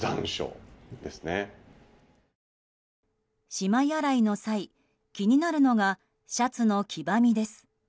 しまい洗いの際、気になるのがシャツの黄ばみです。